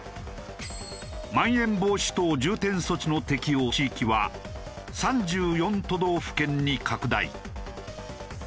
まん延防止等重点措置の適用地域は３４都道府県に拡大。